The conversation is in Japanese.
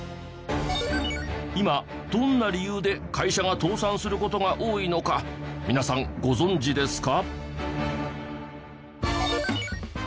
今どんな理由で会社が倒産する事が多いのか皆さんご存じですか？